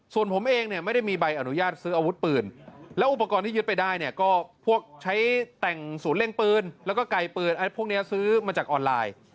ส่วนผมเองเนี่ยไม่ได้มีใบอนุญาตซื้ออาวุธปืนแล้วอุปกรณ์ที่ยึดไปได้เนี่ยก็พวกใช้แต่งศูนย์เล่นปืนแล้วก็ไกลปืนพวกนี้ซื้อมาจากออนไลน์